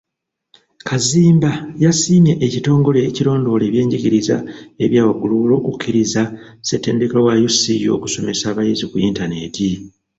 Kazimba yasiimye ekitongole ekirondoola ebyenjigiriza ebyawaggulu olw'okukkiriza ssettendekero wa UCU okusomesa abayizi ku Yintaneeti.